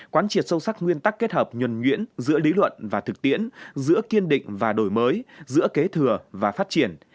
quán triệt sâu sắc nguyên tắc kết hợp nhuẩn nhuyễn giữa lý luận và thực tiễn giữa kiên định và đổi mới giữa kế thừa và phát triển